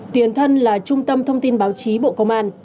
tiền thân là trung tâm thông tin báo chí bộ công an